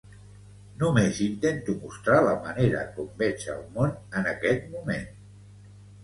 Només intento mostrar la manera com veig el món en aquest moment.